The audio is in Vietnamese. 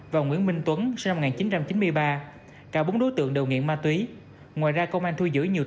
và nguyễn minh tuấn sinh năm một nghìn chín trăm chín mươi ba cả bốn đối tượng đều nghiện ma túy ngoài ra công an thu giữ nhiều